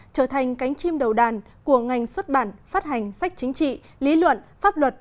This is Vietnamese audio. trở thành cánh chim đầu đàn của ngành xuất bản phát hành sách chính trị lý luận pháp luật